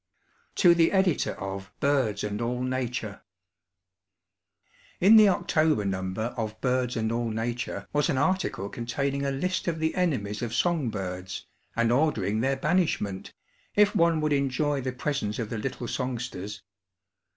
To the Editor of Birds and All Nature: In the October number of BIRDS AND ALL NATURE was an article containing a list of the enemies of song birds and ordering their banishment, if one would enjoy the presence of the little songsters.